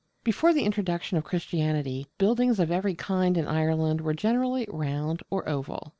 Before the introduction of Christianity, buildings of every kind in Ireland were generally round or oval.